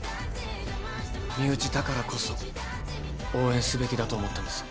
身内だからこそ応援すべきだと思ったんです。